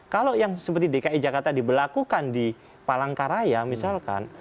kalau yang seperti dki jakarta diberlakukan di palangkaraya misalkan